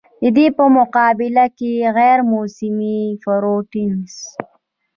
د دې پۀ مقابله کښې غېر موسمي فروټس